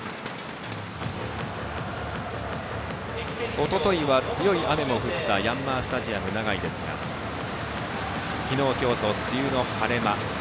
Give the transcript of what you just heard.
おとといは強い雨も降ったヤンマースタジアム長居でしたが昨日、今日と梅雨の晴れ間。